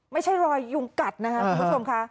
ไม่ใช่รอยยุงกัตต์คุณผู้ชม